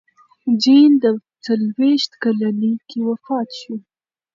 جین په څلوېښت کلنۍ کې وفات شوه.